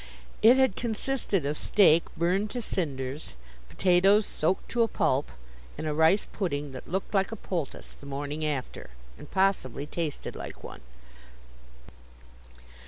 It had consisted of steak burned to cinders, potatoes soaked to a pulp, and a rice pudding that looked like a poultice the morning after, and possibly tasted like one.